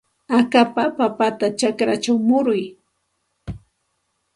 Akapa papata chakrachaw muruy.